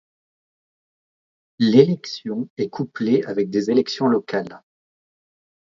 L'élection est couplée avec des élections locales.